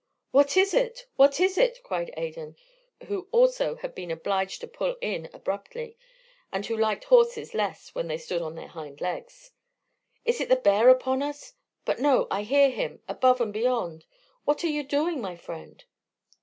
"What is it? What is it?" cried Adan, who also had been obliged to pull in abruptly, and who liked horses less when they stood on their hind legs. "Is it the bear upon us? But, no, I hear him above and beyond. What are you doing, my friend?"